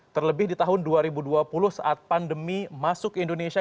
terlebih di tahun dua ribu dua puluh saat pandemi masuk ke indonesia